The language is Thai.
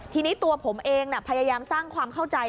ทีนี้ตัวผมเองพยายามสร้างความเข้าใจ